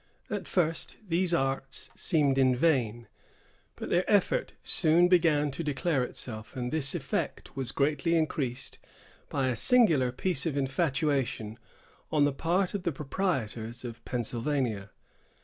At first, these arts seemed in vain, but their effect soon began to declare itself; and this effect was greatly increased by a singular piece of infatuation on the part of the proprietors of Pennsylvania.